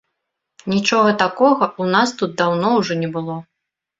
Нічога такога ў нас тут даўно ўжо не было.